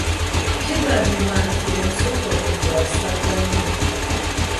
Kigambibwa nti omusota ogwo gwa busagwa nnyo.